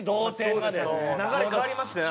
流れ変わりましたよね